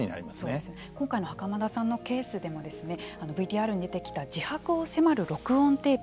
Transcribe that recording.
今回の袴田さんのケースでもＶＴＲに出てきた自白を迫る録音テープ